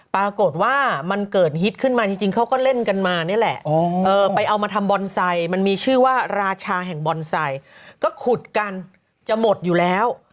ปรากฏว่ามันเกิดฮิตขึ้นมาจริงเขาก็เล่นกันมานี่แหละไปเอามาทำบอนไซค์มันมีชื่อว่าราชาแห่งบอนไซค์ก็ขุดกันจะหมดอยู่แล้ว